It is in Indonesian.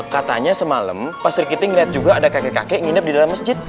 katanya semalam pas reketing ngeliat juga ada kakek kakek nginep di dalam masjid